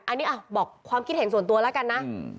อันนี้บอกความคิดเห็นส่วนตัวแล้วกันนะ